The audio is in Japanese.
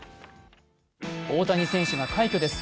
大谷選手が快挙です。